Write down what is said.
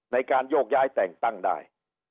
ในการโยกย้ายแต่งตั้งได้